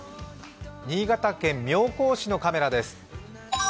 新潟県妙高市のカメラです。